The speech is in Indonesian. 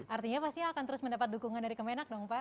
jadi ini pasti akan terus mendapat dukungan dari kemenang dong pak